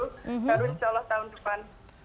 baru insya allah tahun depan